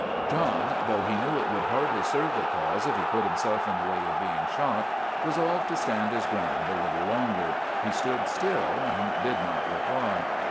John, though he knew it would hardly serve the cause if he put himself in the way of being shot, resolved to stand his ground a little longer. He stood still and did not reply.